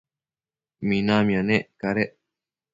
minamia nec cadec